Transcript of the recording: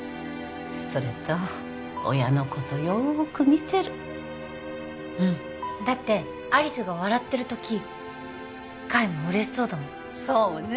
それと親のことよーく見てるうんだって有栖が笑ってる時海も嬉しそうだもんそうね